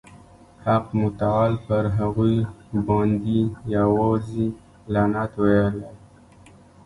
حق متعال پر هغوی باندي یوازي لعنت ویلی.